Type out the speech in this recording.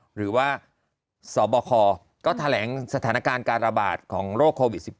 หรือว่าสบคก็แถลงสถานการณ์การระบาดของโรคโควิด๑๙